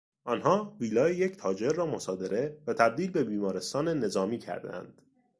آنها ویلای یک تاجر را مصادره و تبدیل به بیمارستان نظامی کردند.